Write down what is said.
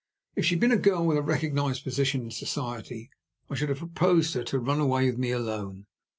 If she had been a girl with a recognized position in society, I should have proposed to her to run away with me alone.